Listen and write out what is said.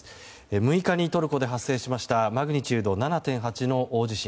６日にトルコで発生しましたマグニチュード７．８の大地震。